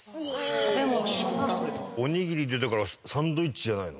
おにぎりだからサンドイッチじゃないの？